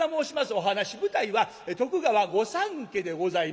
お噺舞台は徳川御三家でございます。